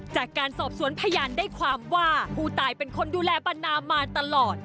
จากการสอบสวนพยานได้ความว่าผู้ตายเป็นคนดูแลปันนามาตลอด